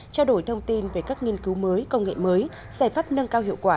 trao đổi thông tin về các nghiên cứu mới công nghệ mới giải pháp nâng cao hiệu quả